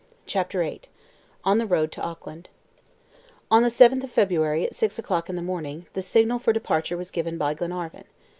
CHAPTER VIII ON THE ROAD TO AUCKLAND ON the 7th of February, at six o'clock in the morning, the signal for departure was given by Glenarvan.